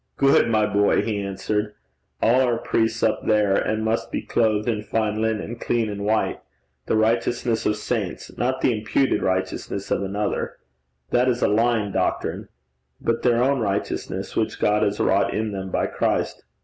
'Good, my boy!' he answered. 'All are priests up there, and must be clothed in fine linen, clean and white the righteousness of saints not the imputed righteousness of another, that is a lying doctrine but their own righteousness which God has wrought in them by Christ.'